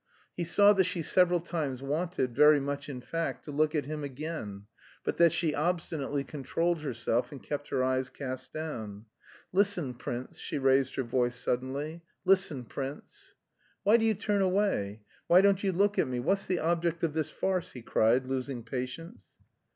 He saw that she several times wanted, very much in fact, to look at him again, but that she obstinately controlled herself and kept her eyes cast down. "Listen, prince," she raised her voice suddenly, "listen prince...." "Why do you turn away? Why don't you look at me? What's the object of this farce?" he cried, losing patience.